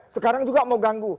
sekarang juga mau ganggu